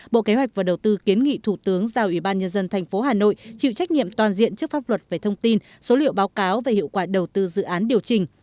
bộ kế hoạch và đầu tư kiến nghị thủ tướng giao ủy ban nhân dân tp hà nội chịu trách nhiệm toàn diện trước pháp luật về thông tin số liệu báo cáo về hiệu quả đầu tư dự án điều chỉnh